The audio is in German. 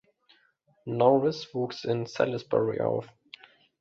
Norris wuchs in Salisbury auf.